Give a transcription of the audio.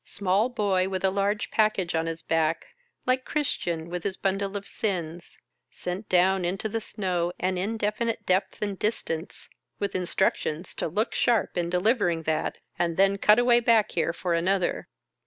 Small boy with a large package on his back, like Christian with his bundle of sins, sent down into the snow an indefinite depth and distance, with instructions to " look sharp in delivering that, and then cut away back here for another."